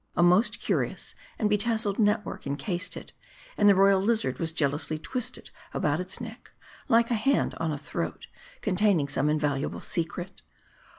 A most curious arid betasseled net work encased it ; and the royal lizard was jealously twisted about its neck, like a hand on a throat containing some invaluable secret.